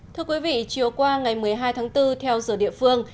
thưa quý vị chiều qua ngày một mươi hai tháng bốn theo giờ địa phương